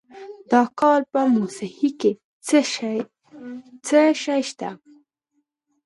د کابل په موسهي کې څه شی شته؟